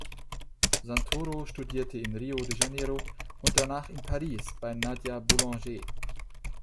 Santoro studierte in Rio de Janeiro und danach in Paris bei Nadia Boulanger.